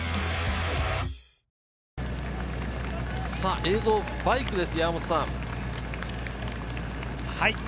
映像はバイクです。